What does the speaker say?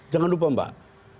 jangan lupa mbak